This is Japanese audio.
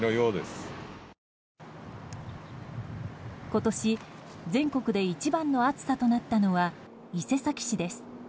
今年、全国で一番の暑さとなったのは伊勢崎市です。